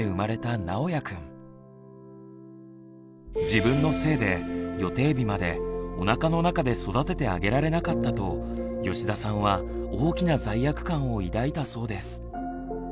自分のせいで予定日までおなかの中で育ててあげられなかったと吉田さんは大きな罪悪感を抱いたそうです。